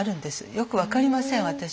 よく分かりません私には。